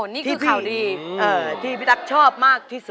นี่คือข่าวดีที่พี่ตั๊กชอบมากที่สุด